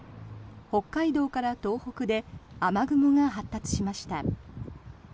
北海道から東北で雨雲が発達しました。